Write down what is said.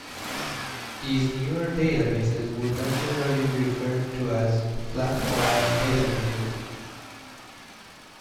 These newer databases would not generally be referred to as flat-file databases.